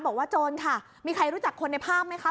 โจรค่ะมีใครรู้จักคนในภาพไหมคะ